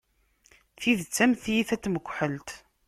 Tidet am tyita n tmekḥelt.